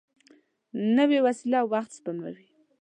نوې وسېله وخت سپموي